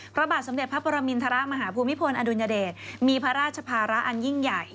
พระบาทสมเด็จพระปรมินทรมาฮภูมิพลอดุลยเดชมีพระราชภาระอันยิ่งใหญ่